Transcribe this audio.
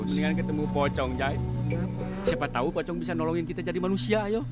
siapa tahu bisa nolongin kita jadi manusia